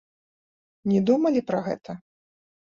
Не думалі пра гэта?